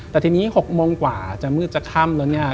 แต่ทีนี้๖โมงกว่าจะมืดจะค่ำแล้วเนี่ย